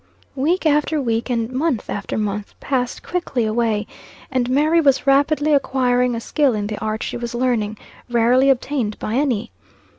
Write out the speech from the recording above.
Week after week, and month after month, passed quickly away, and Mary was rapidly acquiring a skill in the art she was learning, rarely obtained by any.